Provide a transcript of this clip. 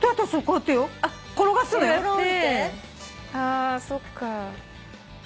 あそっか。